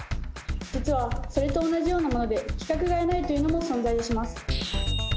実はそれと同じようなもので規格外苗というのも存在します。